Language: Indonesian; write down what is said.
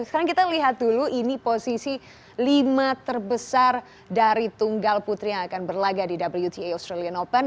sekarang kita lihat dulu ini posisi lima terbesar dari tunggal putri yang akan berlaga di wta australian open